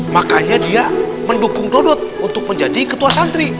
makanya dia mendukung dodot untuk menjadi ketua santri